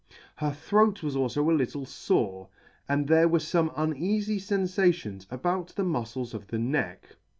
Her throat was alfo a little fore, and there were fome uneafy fenfations about the mufcles of the neck.